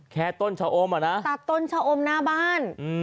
แค่ต้นชะอมอะนะตัดต้นชะอมหน้าบ้าน